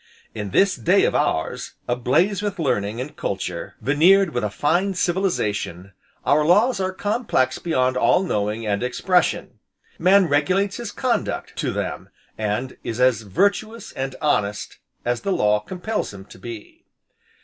In this day of ours, ablaze with learning, and culture, veneered with a fine civilization, our laws are complex beyond all knowing and expression; man regulates his conduct to them, and is as virtuous, and honest as the law compels him to be.